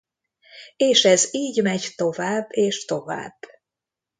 És ez így megy tovább és tovább.